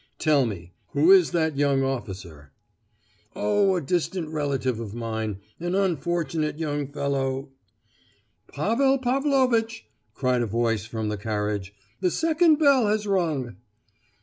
Tell me, who is that young officer?" "Oh, a distant relative of mine—an unfortunate young fellow——" "Pavel Pavlovitch!" cried a voice from the carriage, "the second bell has rung!"